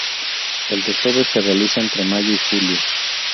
El desove se realiza entre mayo y julio.